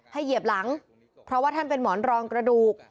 เหยียบหลังเพราะว่าท่านเป็นหมอนรองกระดูก